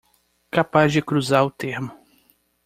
Capaz de cruzar o termo